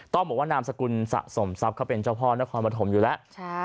ต้องบอกว่านามสกุลสะสมทรัพย์เขาเป็นเจ้าพ่อนครปฐมอยู่แล้ว